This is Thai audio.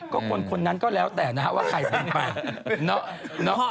คนนั้นก็แล้วแต่นะว่าใครสามารถพา